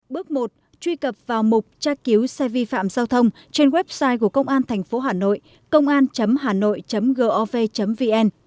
bước một truy cập vào mục tra cứu xe vi phạm giao thông trên website của công an tp hà nội côngan hanoi gov vn